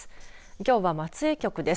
きょうは松江局です。